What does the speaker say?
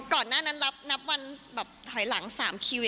ก่อนหน้านั้นนับวันแบบถอยหลัง๓คิว